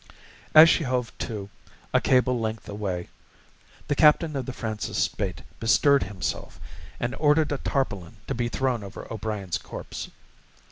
As she hove to, a cable length away, the captain of the Francis Spaight bestirred himself and ordered a tarpaulin to be thrown over O'Brien's corpse.